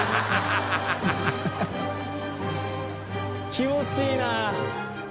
気持ちいいな。